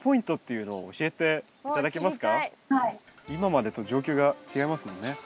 今までと状況が違いますもんね。